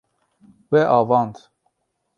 We avand.